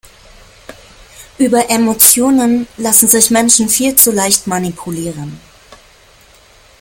Über Emotionen lassen sich Menschen viel zu leicht manipulieren.